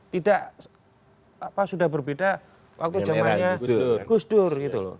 tidak sudah berbeda waktu zamannya gus dur gitu loh